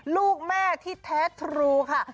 ลูกแม่ที่แท้ทรูค่ะ